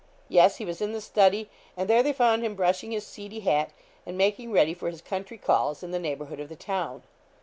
Yes, he was in the study, and there they found him brushing his seedy hat, and making ready for his country calls in the neighbourhood of the town.